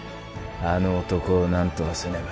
あの男をなんとかせねば。